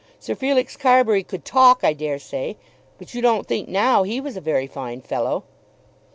Sir Felix Carbury could talk, I dare say, but you don't think now he was a very fine fellow."